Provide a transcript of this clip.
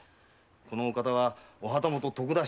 このお方はお旗本・徳田新之助様。